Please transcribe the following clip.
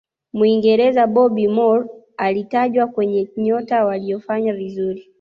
muingereza bobby moore alitajwa kwenye nyota waliyofanya vizuri